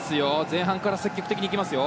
前半から積極的に来ますよ。